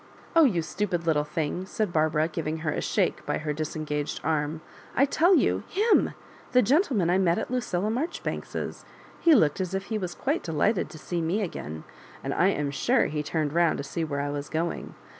*'0h you stupid little thing 1'* said Barbara, giving her "a shake" by her disengaged arm. " T tell you, him /—the gentleman I met at Lu cilia Maijoribanks's. He looked as if he was quite delighted to see me again f and I am sure he turned round to see where I was going.